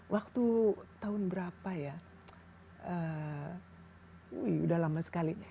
waktu tahun berapa ya wih udah lama sekali